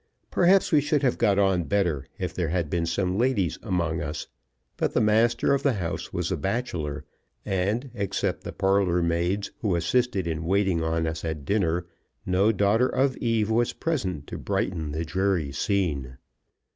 Perhaps we should have got on better if there had been some ladies among us; but the master of the house was a bachelor, and, except the parlor maids who assisted in waiting on us at dinner, no daughter of Eve was present to brighten the dreary scene.